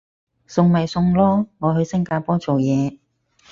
送咪送咯，我去新加坡做嘢